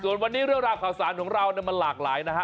ส่วนวันนี้เรื่องราวข่าวสารของเรามันหลากหลายนะฮะ